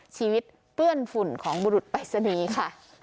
ชีวิตเป้าหมายของบุหรุษไปสนีค่ะ